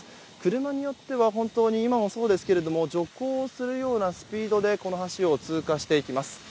車によっては本当に今もそうですが徐行するようなスピードで橋を通過していきます。